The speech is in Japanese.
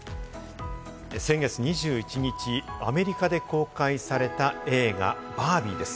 先月２１日、アメリカで公開された映画『バービー』です。